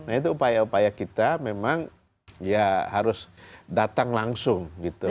tapi itu adalah upaya upaya kita memang ya harus datang langsung gitu loh